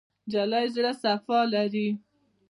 نجلۍ زړه صفا لري.